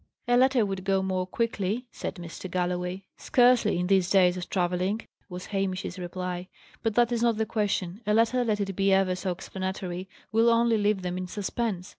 "A letter would go more quickly," said Mr. Galloway. "Scarcely, in these days of travelling," was Hamish's reply. "But that is not the question. A letter, let it be ever so explanatory, will only leave them in suspense.